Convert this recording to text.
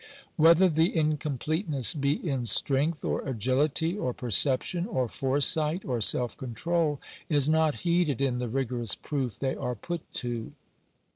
Whether the incompleteness be in strength, or agility, or perception, or foresight, or self control, is not heeded in the rigorous proof they are put to.